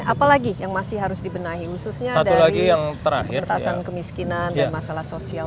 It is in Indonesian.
apalagi yang masih harus dibenahi khususnya dari pengetasan kemiskinan dan masalah sosial